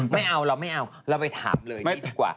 ไม่เอาเราไม่เอาเราไปถามเลยนี่ดีกว่า